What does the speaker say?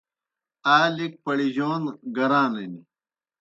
آ لِک پڑیجَون گرانِن۔